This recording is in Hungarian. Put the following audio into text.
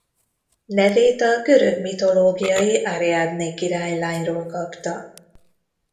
Nevét a görög mitológiai Ariadné királylányról kapta.